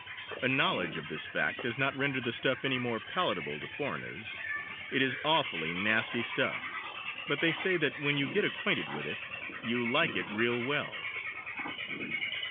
A knowledge of this fact does not render the stuff any more palatable to foreigners. It is awfully nasty stuff, but they say that when you get acquainted with it you like it real well.